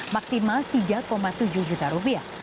maksimal rp tiga tujuh juta rupiah